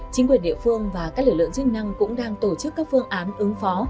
chính quyền địa phương và các lực lượng chức năng cũng đang tổ chức các phương án ứng phó